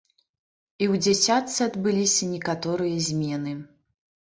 І ў дзясятцы адбыліся некаторыя змены.